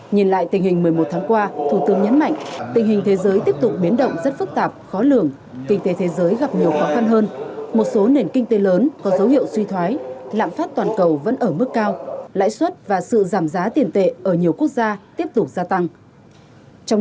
nhìn lại tình hình một mươi một tháng qua thủ tướng nhấn mạnh tình hình thế giới tiếp tục biến động rất phức tạp khó lường kinh tế thế giới gặp nhiều khó khăn hơn một số nền kinh tế lớn có dấu hiệu suy thoái lạm phát toàn cầu vẫn ở mức cao lãi suất và sự giảm giá tiền tệ ở nhiều quốc gia tiếp tục gia tăng